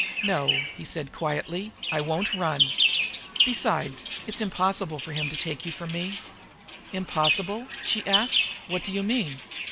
"No," he said quietly, "I won't run. Besides it is impossible for him to take you from me." "Impossible?" she asked. "What do you mean?"